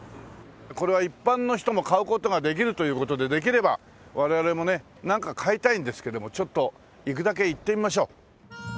これは一般の人も買う事ができるという事でできれば我々もねなんか買いたいんですけどもちょっと行くだけ行ってみましょう。